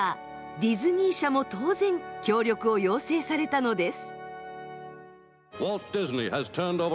ディズニー社も当然協力を要請されたのです。